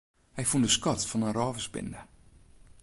Hy fûn de skat fan in rôversbinde.